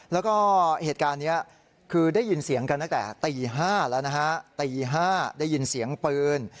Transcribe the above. แล้วก็เหตุการณ์นี้คือได้ยินเสียงกันตั้งแต่ตี๕แล้วนะฮะตี๕ได้ยินเสียงปืน